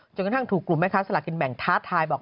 กระทั่งถูกกลุ่มแม่ค้าสลากกินแบ่งท้าทายบอก